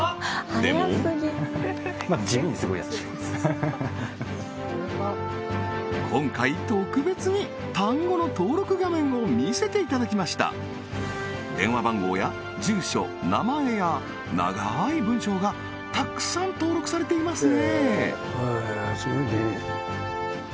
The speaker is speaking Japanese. でも今回特別に単語の登録画面を見せていただきました電話番号や住所名前や長い文章がたくさん登録されていますね